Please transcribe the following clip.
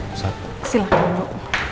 menjaga kekuasaan mereka